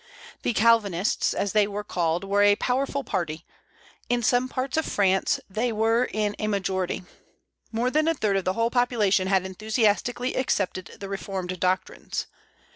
The Calvinists, as they were called, were a powerful party; in some parts of France they were in a majority. More than a third of the whole population had enthusiastically accepted the reformed doctrines.